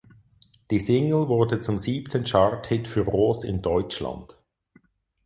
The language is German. Die Single wurde zum siebten Charthit für Roos in Deutschland.